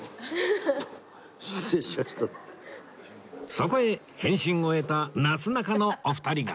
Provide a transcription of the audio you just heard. そこへ変身を終えたなすなかのお二人が